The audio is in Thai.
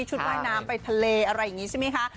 ว่ายน้ำไปทะเลอะไรอย่างนี้ใช่ไหมคะ